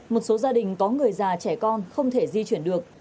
một số gia đình có người già trẻ con không thể di chuyển được